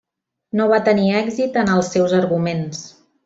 No va tenir èxit en els seus arguments.